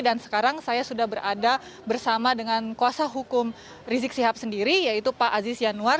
dan sekarang saya sudah berada bersama dengan kuasa hukum rizik sihab sendiri yaitu pak aziz yanwar